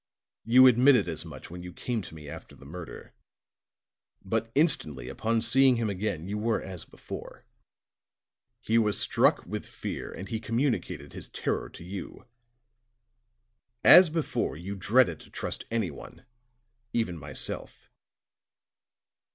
You admitted as much when you came to me after the murder; but instantly, upon seeing him again, you were as before. He was struck with fear, and he communicated his terror to you; as before you dreaded to trust anyone even myself."